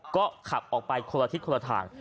ก็ขับออกไปคนละทิศคนละทาง